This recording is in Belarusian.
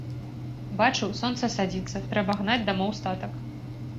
Бачу, сонца садзіцца, трэба гнаць дамоў статак.